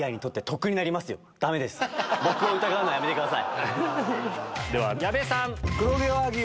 ダメです僕を疑うのはやめてください。